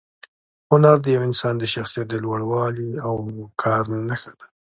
هنر د یو انسان د شخصیت د لوړوالي او وقار نښه ده.